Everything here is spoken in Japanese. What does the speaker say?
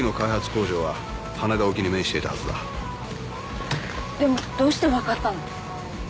工場は羽田沖に面していたはずだでもどうして分かったの？